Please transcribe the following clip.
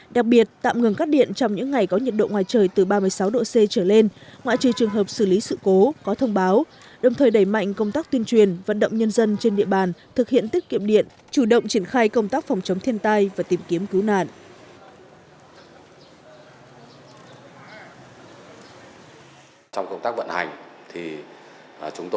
đặc biệt tạm ngừng cắt điện trong những ngày có nhiệt độ ngoài trời từ ba mươi sáu độ c trở lên ngoại trừ trường hợp xử lý sự cố có thông báo đồng thời đẩy mạnh công tác tuyên truyền vận động nhân dân trên địa bàn thực hiện tích kiệm điện chủ động triển khai công tác phòng chống thiên tai và tìm kiếm cứu nạn